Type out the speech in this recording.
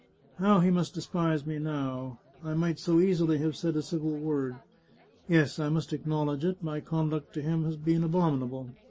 How he must despise me now! I might so easily have said a civil word. Yes, I must acknowledge it, my conduct to him has been abominable.